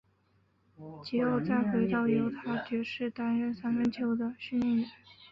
及后再回到犹他爵士担任三分球的训练员。